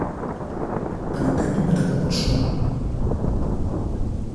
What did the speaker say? Pa ne tepi me tako močno!